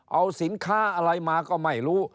เอาสินค้าอะไรมาก็ไม่รู้